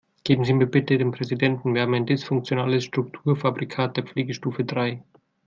Geben Sie mir bitte den Präsidenten, wir haben ein dysfunktionales Strukturfabrikat der Pflegestufe drei.